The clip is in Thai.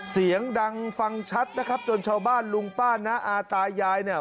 เสียงดังฟังชัดนะครับจนชาวบ้านลุงป้าน้าอาตายายเนี่ย